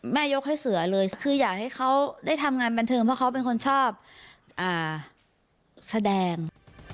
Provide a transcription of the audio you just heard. ยกให้เสือเลยคืออยากให้เขาได้ทำงานบันเทิงเพราะเขาเป็นคนชอบแสดง